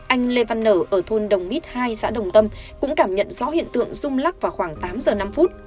anh lê văn nở ở thôn đồng mít hai xã đồng tâm cũng cảm nhận rõ hiện tượng rung lắc vào khoảng tám giờ năm phút